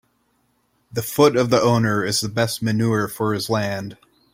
The foot of the owner is the best manure for his land.